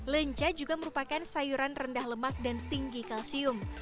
lenca juga merupakan sayuran rendah lemak dan tinggi kalsium